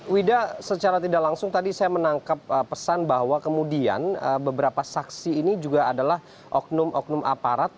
wida secara tidak langsung tadi saya menangkap pesan bahwa kemudian beberapa saksi ini juga adalah oknum oknum aparat